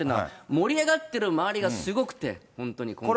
盛り上がってる周りがすごくて、本当に今回は。